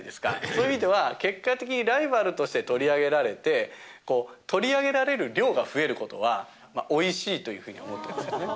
そういう意味では、結果的にライバルとして取り上げられて、取り上げられる量が増えることは、おいしいというふうに思ってますよね。